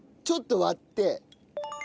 ちょっと割って。